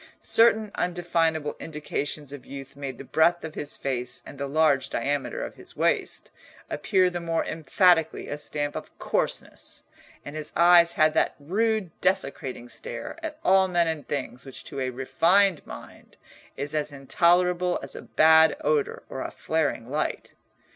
Certain undefinable indications of youth made the breadth of his face and the large diameter of his waist appear the more emphatically a stamp of coarseness, and his eyes had that rude desecrating stare at all men and things which to a refined mind is as intolerable as a bad odour or a flaring light.